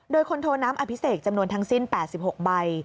โดยคนโทน้ำอภิเษกจำนวนทั้งสิ้น๘๖ใบ